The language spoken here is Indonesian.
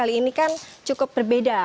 ini kan cukup berbeda